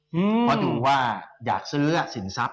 เพราะดูว่าอยากซื้อสินทรัพย